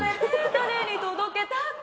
誰に届けたくて？